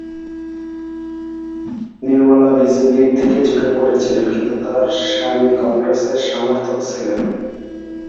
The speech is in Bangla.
নির্মলা বিজেপির দিকে ঝুঁকে পড়েছিলেন, কিন্তু তার স্বামী কংগ্রেসের সমর্থক ছিলেন।